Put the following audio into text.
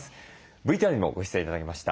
ＶＴＲにもご出演頂きました